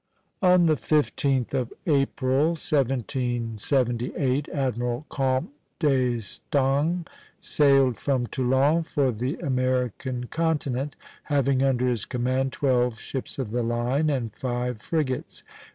On the 15th of April, 1778, Admiral Comte d'Estaing sailed from Toulon for the American continent, having under his command twelve ships of the line and five frigates.